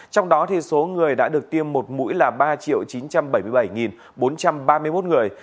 trong đó số người đã được tiêm một mũi là ba chín trăm bảy mươi bảy bốn trăm ba mươi một người